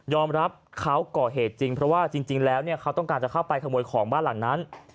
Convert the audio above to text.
อมรับเขาก่อเหตุจริงเพราะว่าจริงแล้วเขาต้องการจะเข้าไปขโมยของบ้านหลังนั้น